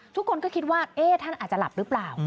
ทุกคนก็คิดว่าท่านอาจจะหลับหรือเปล่า